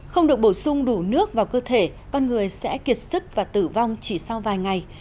không được bổ sung đủ nước vào cơ thể con người sẽ kiệt sức và tử vong chỉ sau vài ngày